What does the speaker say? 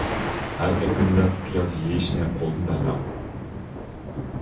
ھەر قېتىملىق پىياز يېيىشنى قولدىن بەرمەڭ.